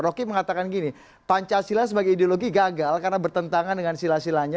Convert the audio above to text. rocky mengatakan gini pancasila sebagai ideologi gagal karena bertentangan dengan sila silanya